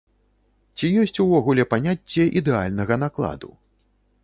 Ці ёсць увогуле паняцце ідэальнага накладу?